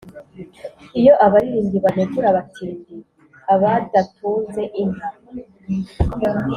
iyo abaririmbyi banegura abatindi (abad atunze inka),